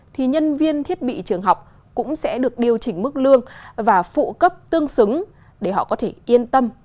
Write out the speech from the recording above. thì nhân viên thiết bị trường học cũng sẽ được điều chỉnh mức lương và phụ cấp tương xứng để họ có thể yên tâm